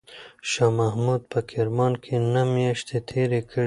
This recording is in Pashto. شاه محمود په کرمان کې نهه میاشتې تېرې کړې.